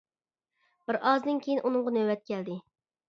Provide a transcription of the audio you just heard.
بىر ئازدىن كېيىن ئۇنىڭغا نۆۋەت كەلدى.